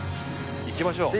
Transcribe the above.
行きましょう。